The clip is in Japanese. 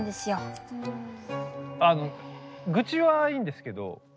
あのグチはいいんですけど。